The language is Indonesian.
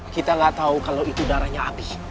kita gak tau kalau itu darahnya api